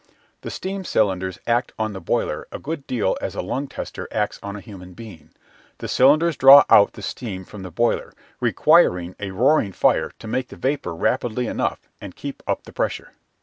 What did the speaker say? The steam cylinders act on the boiler a good deal as a lung tester acts on a human being; the cylinders draw out the steam from the boiler, requiring a roaring fire to make the vapour rapidly enough and keep up the pressure.